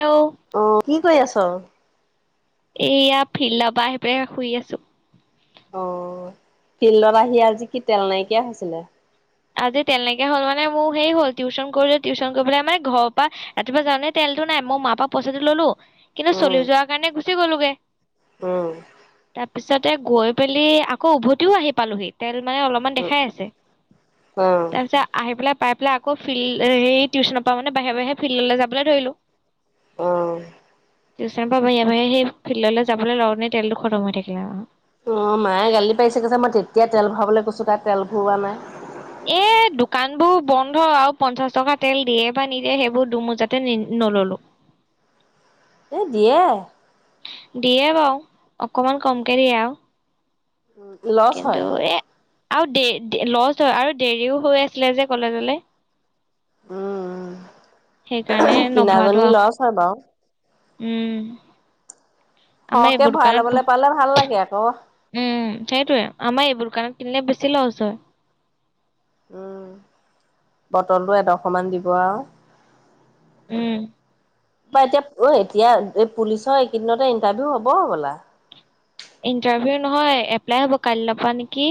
Hello. অ কি কৈ আছ? এইয়া ফিল পা আহি পাই শুই আছো। অ ফিল্ডত আহি আজি কি তেল নাইকিয়া হৈছিলে? আজি তেল নাইকিয়া হ'ল মানে মোৰ সেই হ'ল, টিউশন কৰিলো টিউশন কৰি পেলাই মান ঘৰৰ পৰা, ৰাতিপুৱা যাওঁনে তেলতটো নাই মই মাৰ পৰা পইচাটো ললো কিন্তু উম চলি যোৱাৰ কাৰণে গুচি গ'লো। [unintelligible] উম। পিছতে গৈ পেলি আকৌ উভতিও আহি পালোহি তেল মানে অলপমান উ দেখাই আছে অ তাৰপিছত আহি পেলাই পাই পেলাই আকৌ ফিল্ড এই টিউচনৰ পৰা মানে বাহিৰ বাহিৰে ফিল্ডলে যাবলৈ ধৰিলো অহ। টিউচন পা বহীয়ে বাহীয়ে সেই ফিল্ডলে যাবলে লওঁতেই তেলটো খতম হৈ থাকিলে আও। অ মায়ে গালি পাৰিছে কৈছে, মই তেতিয়া তেল ভৰাবলে কৈছো তাই তেল ভৰৱোৱা নাই। এ দোকানবোৰ বন্ধ। আৰু পঞ্চাশ টকা তেল দিয়ে বা নিদিয়ে সেইবোৰ দুমুযাতে নি নললো। এ দিয়ে। দিয়ে বাও অকমান কমকে দিয়ে আও। লচ হয়। আৰু দে লছ হয় আৰু দেৰিও হৈ আছিলে যে কলেজলে উম। সেইকাৰণে [unintelligible] নভৰালো কিনাজনী আৰু লছ হয় বাও। উম। আমাৰ সহকে এইবোৰ ভৰাই দোকানত লবলে পালে ভাল লাগে আক। উম সেইটোয়ে আমাৰ এইবোৰ দুকানত কিনিলে বেছি লছ হয়। উম বটলটো এডখমানা দিব আও। উম। ত এতিয়া অ এতিয়া এই পুলিচৰ এইকেইদিনতে ইণ্টাৰভিউ হ'ব হবলা? ইণ্টাৰভিউ নহয় এপ্লাই হব কাইল পা নেকি?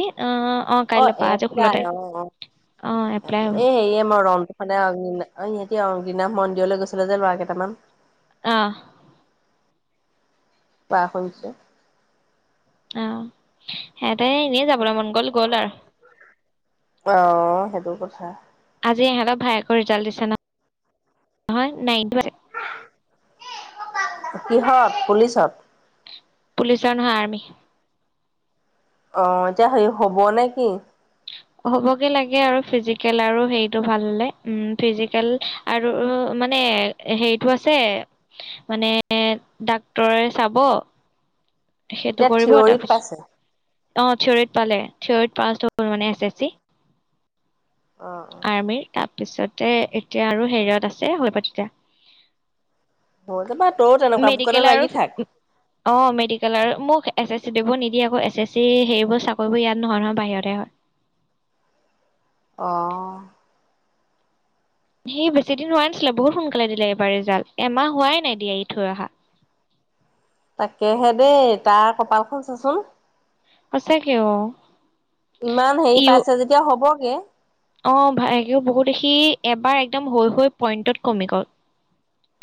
অ অ কাইলৈৰ পৰা আজি ষোল্ল এপলাই তাৰিখ অ অম অ এপ্লাই হ'ব এই হেয়ে মই [unintelligible] এতিয়া অংগিনাথ মন্দিৰলে গৈছিলে যে ল'ৰা কেইটামান আহ। ব হৈছে অ সিহতে এনেই যাবলে মন গ'ল গ'ল আৰু। অ সেইটো কথা। আজি ইহঁতৰ ভায়েকৰ ৰিজাল্ট দিছো নহয়। [unintelligible] নাই [unintelligible] কিহত? পুলিচত? পুলিচৰ নহয় আৰ্মি। অ এতিয়া হে হ'ব নে কি। হ'বগে লাগে আৰু ফিজিকেল আৰু হেটো ভালে ফিজিকেল আৰু মানে হেৰিটো আছে মানে ডাক্তৰে চাব। সেইটো এতিয়া কৰিব থিয়ৰি তাৰপিছত পাইছে। অ থিৰিত পালে থিয়ৰিত পাঁচ। মানে এছ এছ চি। অ' আৰ্মিৰ ত। তাৰ পিছতে এতিয়া আৰু হেৰিয়ত আছে হৈ প তেতিয়া। অ' হৈ যাবা তইও তেনেকুৱা বুকতে মেডিকেল লাগি আৰু থাক। অ মেডিকেল আৰু মোক। এছ এছ চি দিবোৰ নিদিয়ে আকৌ এছ এছ চি হেৰিবোৰ চাকৰিবোৰ ইয়াত নহয়, নহয় বাহিৰতে হয়। অহঁ। সেই বেছি দিন হোৱা নাছিলে বহুত সোনকালে দিলে এইবাৰ ৰিজাল্ট এমাহ হোৱাই নাই দিয়া ই থৈ অহা। তাকেহে দেই তাৰ কপালখন চাচোন। আছোক অ। ইমান হেৰি ইউ পাইছে যেতিয়া হ'ব। গে। অ ভ বহুত দেখি এবাৰ একদম হৈ হৈ পইণ্টত কমি গ'ল।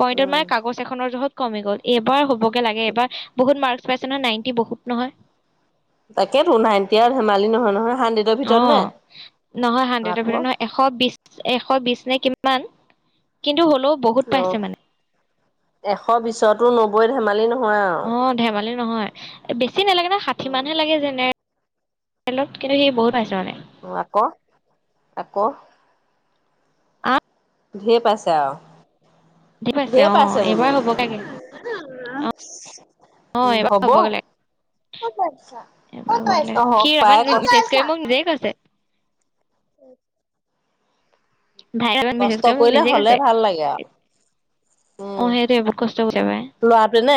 পইণ্টৰ উম, মানে কাগজ এখনৰ যত। কমি গ'ল এইবাৰ হ'ব। লাগে এবাৰ বহুত মাৰ্ক। নাইনটি বহুত নহয়। তাকেতো নাই এতিয়া আৰু ধেমালি নহয় নহয়। হাণ্ড্ৰেডৰ অ ভিতৰত নে? নহয় হাড্ৰেডৰ আকৌ ভিতৰত নহয় এশ বিশ। এশ বিশ নে কিমান কিন্তু হল। বহুত পাইছে অ' মানে। এশ বিশছতো নব্বৈ ধেমালি নহয়। আৰু। অ ধেমালি নহয় বেছি নালাগে ন ষাঠি উম। মানহে লাগে যেনে। লত কিন্তু সি বহুত পাইছে মানে। উ আকৌ আকৌ। ধিৰ পাইছে আও। স দি পাইছে অ এইবাৰ হ'বলাগে অ আহ এইবাৰ হব লাগে এইবাৰ হব লাগে অ সি হওক পাই তেজ কৰি কষ্ট মোক নিজেই কৈছে। ভাই এবাৰ মেছেজ কষ্ট কৰি মোক কৰিলে নিজেই হলে কৈছে ভাল লাগে আৰু অ সেইটোৱে বহুত কষ্ট কৰিছে পাই উম লৰাটোৱে নে।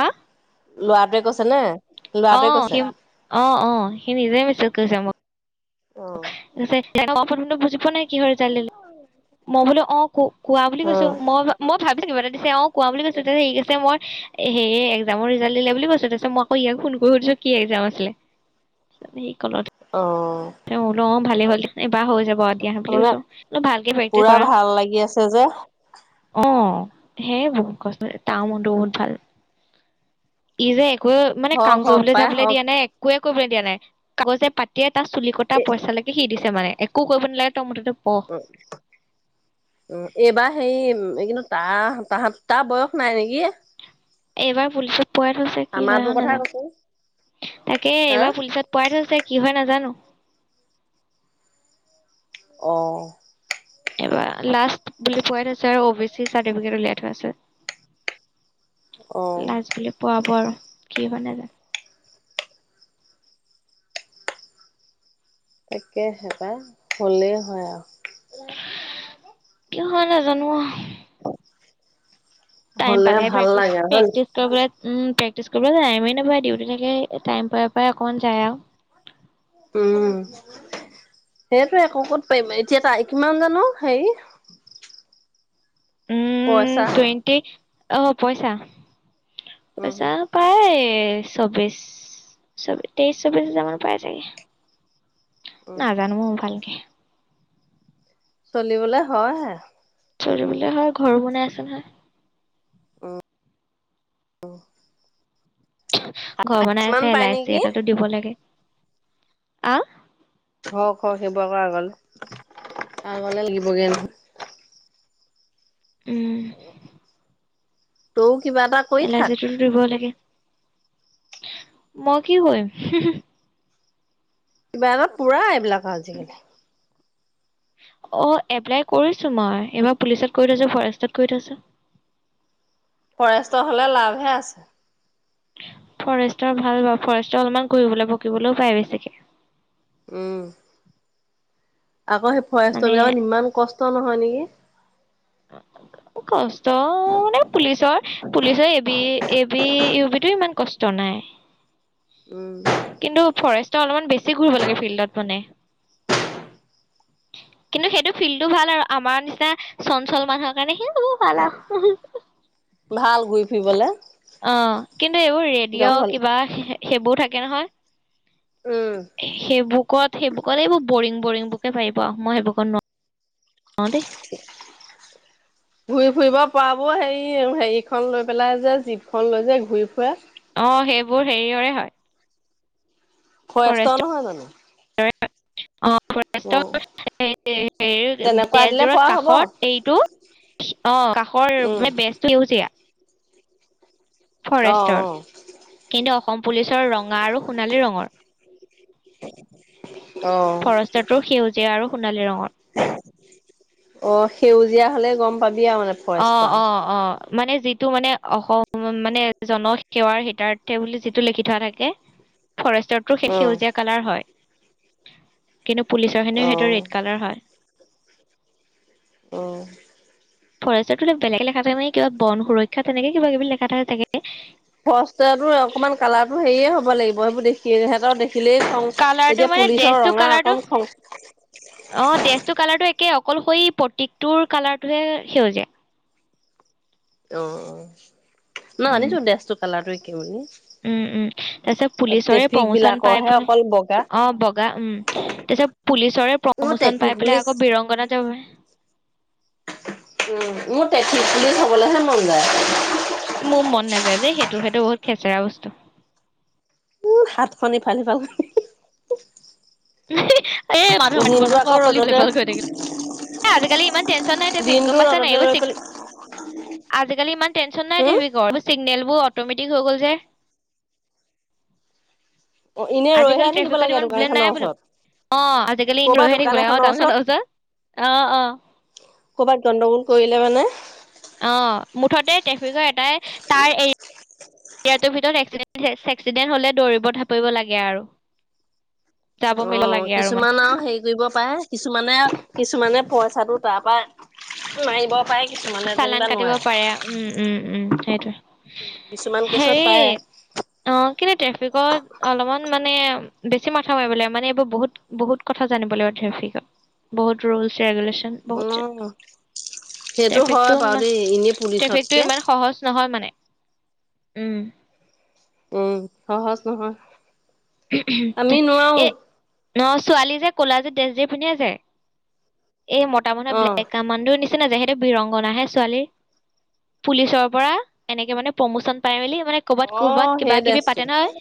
আ লৰাটোৱে কৈছে নে। ল'ৰাটোৱে অহ সি কৈছে অ অ সি নিজে মিছে কৰিছে মোক। অ [unintelligible] বুজ পোৱা নাই। কি হ'ল যানে নে মই বোলো অ ক কোৱা বুলি অ কৈছো মই মই ভাবো দিছে কিবা এটা দিছে আও কোৱা বুলি কৈছো তাছত সি কৈছে মই সেয়ে একজামৰ ৰিজাল্ট দিলে বুলি কৈছ তাৰপিছ মই আকৌ ইয়াক ফোন কৰি সুধিছো কি একজাম আছিলে তাপিছত সি কলত হে অঁ তেওঁ লম ভালেই হ'ল এবাৰ হৈ যাব আ দিয়া বুলি তাৰমানে কৈছো আও ভালকে প্ৰেক্টিচ পুৰা কৰা ভাল লাগি আছে যে অ সেই বহুত কষ্ট তাৰ মনটো বহুত ভাল ই যে এক মানে কাম হওক হওক কৰিবলৈ পাই যাবলৈ হওক দিয়া নাই একো এক কৰিবলৈ দিয়া নাই কাগজে পাতিয়ে টা চুলি কটা এ পইচা লেকে সি দিছে মানে একো কৰিব নালাগে তই মুঠতে পঢ় উ উ এইবাৰ সেই কিন্তু তাহ তাহত তাৰ বয়স নাই নেকি এইবাৰ পুলিচ পোৱাই থৈছে কি হয় আমাৰতো আৰু কথা কৈছো নাজানো তাকে হা এইবাৰ পুলিচত পোৱাই থৈছে কি হয় নাজানো অ এইবাৰ লাষ্ট বুলি পোৱাই থৈছে আৰু অ বি চি চাৰ্টিফিকেট উলিয়াই থোৱা আছে অ লাচ বুলি পোৱাব আৰু কি মানে না তাকে সে পাই হলেই হয় আৰু [unintelligible] জানোৱা টাইম হ'লে পালে ভাল প্ৰেক্টিচ লাগে হয় নি? প্ৰেক্টিচ কৰিবলে উ পেক টিছ কৰিবলে টাইমে নাপাই ডিউটি থাকে টাইম পাই পাই অকমান যায় আও উম সেইটো একো ক'ত পাৰিম এতিয়া তাই কিমান জানো হেৰি উম পইচা। টুৱেণ্টি অহ পইচা উম, পইচা পায় তেইশ চৌ্বশ চ তেইছ চৌ্বছ হাজাৰ মান পায় ছাগে উম। নাজানো ভালকে চলিবলে হয় হে চলিবলে হয় ঘৰো বনাই আছে নহয় আহ আহ ঘৰ বনাই আছে পাই এল আই চি নেকি? এটা টো দিব লাগে আহ হক হক সেইবোৰ কৰা আ গল আগলে লাগিবগৈ ন উম [unintelligible] ত কিবা এটা কৰি এল আই থাক চিটো দিব লাগে মই কি হয়ম কিবা এক পুৰা এইবিলাক আজিকালি অ এপ্লাই কৰিছো মই এইবাৰ পুলিচত ক থৈছো ফৰেষ্টত কৰি থৈছো ফৰেষ্ট হলে লাভহে আছে ফৰেষ্টৰ ভাল বা ফৰেষ্টৰ অলপমান কৰিবলৈ বকিবলৈও পায় বেছিকে উম আকৌ সেই ফৰেষ্ট মানে বিলাকত ইমান কষ্ট নহয় নেকি কষ্ট মানে পুলিচৰ পুলিচৰ এবি ইবি ইমান কষ্ট নাই উম কিন্তু ফৰেষ্ট অলপমান বেছি ঘূৰিব লাগে ফিল্ডত মানে কিন্তু সেইটো ফিল্ডটো ভাল আৰু আমাৰ নিচিনা চঞ্চল মানুহৰ কাৰণে সেই ভাল সেই বো ভাল আ ভাল ঘুৰি ফুৰিবলে অ কিন্তু এইবোৰ ৰেডিঅ' জংঘল কিবা সেইবোৰ থাকে থাকে উম। নহয় সেইবুকত সেইবুকত এইবোৰ বৰিং বৰিং বুকে পাৰিব মই সেইবুকত নোৱাৰোঁ ঘূৰি ফুৰিব ফোৱাব হেৰি হেৰিখন লৈ পেলাই যে জীপখন লৈ যে ঘূৰি ফুৰে অ সেইবোৰ হেৰিয়ৰে হয় ফৰেষ্টৰ ফৰেষ্টৰে নহয় জানো অ' [unintelligible] কাষৰ তেনেকুৱা দিলে পৰা হ'ব মানে বেজটো উম এউজীয়া ফৰেষ্টৰ অ' কিন্তু অসম পুলিচ চ ৰ ৰঙা আৰু সোণালী ৰঙৰ অ' অ' ফৰেষ্টৰ সেউজীয়া আৰু সোনালি ৰঙৰ অ সেউজীয়া হলে গম পাবি আৰু মানে অ ফৰেষ্টৰ অ অ মানে যিটো মানে অসম মানে জনসেৱাৰ হিতাৰ্থে বুলি যিটো লিখি থোৱা থাকে ফৰেষ্টটো শেষ অ' সেউজীয়া কালাৰ হয় কিন্তু পুলিচৰ খিনিও সেইটো অ' ৰেড কালাৰ হয় অঁ ফৰেষ্টটো বেলেগ লেখা থাকে মানে কিবা বন সুৰক্ষা তেনেকে কিবা কিবি লেখা থাকে ফষ্টা অকনমান কালাৰতো হেয়ে হ'ব লাগিব সেইবোৰ দেখি সিহঁতৰ দে খিলেই খওঁ কালাৰটো এতিয়া মানে পুলিচৰ ড্ৰেছটো ৰঙা কালাৰটো অকণ খওঁ কে অকল সেই প্ৰতীকটোৰ কালাৰটোহে সেউজীয়া অ অ ন উম আনিছো ড্ৰেছটো কালাৰটো কিনি উম উম তাৰ পিছত পুলিচৰে প্ৰমোচন পাই বিলাকৰহে পেলাই অকল বগা অ বগা উম তাৰ পিছত পুলিচৰে মই প্ৰমোচন ট্ৰেফিক পাই পেলাই আকৌ বুলি বিৰংগনাত যাব উ মোৰ ট্ৰেফিক পুলিচ হবলৈহে মন যায়। ত সেইটো বহুত খেচেৰা বস্তু উম, হাতখন ইফাল সিফাল [unintelligible] এ মানুহ দিনটো আকৌ থাক ৰ'দতে আজিকালি ইমান টেনচন নাই গম দিনটো পাইছা নাই ৰ'দতে ৰৈ এইবোৰ পেলাই আজিকালি ইমান টেনচন হম, নাই নেলবোৰ অটমেটিক হৈ গ'ল যে অ এনে ৰৈহে থাকিব লাগে দোকান খনৰ ওচৰত আহ আজিকালি কৰ'বাত ৰৈহে দোকান থাকিব লাগে অ এখনৰ কানখন ওচৰত জা আহ আহ ইলে মান অ মুঠতে ট্ৰেফিকৰ এটাই তাৰ এই এয়টোৰ ভিতৰত এক্সিডেণ্ট হ'লে দৌৰিব থাপিব লাগে আৰু যাব অ মেলিব লাগে মানে কিছুমান আৰু হেৰি কৰিব পাৰে কিছুমানে কিছুমানে পইচাটো তাৰ পৰা মাৰিব পাৰে কিছুমানে চালান যেনিবা কাটিব নোৱাৰে। পাৰে উম উম উম সেইটো কিছুমান কেছত হেৰি পায় অ কিন্তু ট্ৰেফিকত অলপমান মানে বেছি মাথা মাৰিব লাগিব মানে এইবোৰ বহুত বহুত কথা জানিব লাগিব ট্ৰেফিকৰ বহুত ৰুলে ৰেগুৰেচন বহুতজন এইটো হয় বাৰু দেই এনেই পুলিচতকে সহজ নহয় মানে উম উম সহজ নহয় আমি নোৱাৰো এ ন ছোৱালী যে কুলা যে ড্ৰেছযোৰ পিন্ধে যে এই মতা মানে ব্লে অ'। কামাণ্ডো নিচি নি না যহেতু বিৰংগনাহে ছোৱালীৰ পুলিচৰ পৰা এনেকে মানে প্ৰমোচন পাই মেলি মানে ক'বাত ক'বাত অ', কিবা সেই কিবি ড্ৰেছটো পাতে নহয়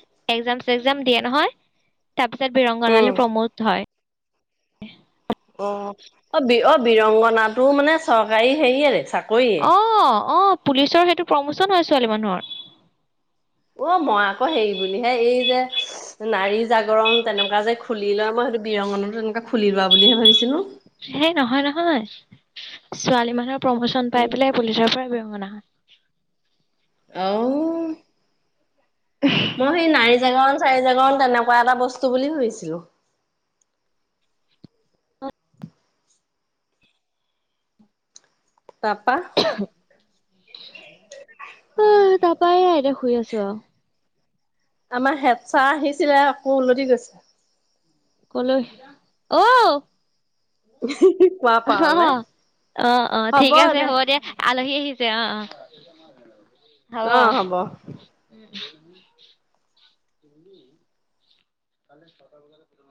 দিয়ে নহয় তাৰপিছত উম, বৰংগনালে প্ৰমোদ হয় [unintelligible] অ'। অ' বি-অ-বীৰংগনাটোও মানে চৰকাৰী হেৰি আৰে, চাকৰি অ' অ'। পুলিচৰ সেইটো প্ৰমোচন হয়, ছোৱালী মানুহৰ অ' মই আকৌ হেৰি বুলিহে, এই যে, নাৰী জাগৰণ তেনেকুৱা যে খুলি লয়, মই সেইটো বীৰংগনাটো তেনেকুৱা খুলি লোৱা বুলিহে ভাবিছিলো। সেই নহয় নহয়। ছোৱালী মানুহৰ প্ৰমোচন পাই উম। পেলাই পুলিচৰ পৰা গনা হয় অ'। মই সেই নাৰী জাগৰণ, চাৰি জাগৰণ তেনেকুৱা এটা বস্তু বুলি ভাবিছিলোঁ। অ'। তাৰপা অ' তা পায় এতিয়া শুই আছো আৰু। আমাৰ হেদচাৰ আহিছিলে, আকৌ উলটি গৈছে। কলৈ। অউ [unintelligible] পাৰলে অ', অ' অ' হ'ব ঠিক আছে দে হ'ব দিয়া। আলহী আহি ছে অ' অ'। হ'ব অ'। উ উ। [unintelligible]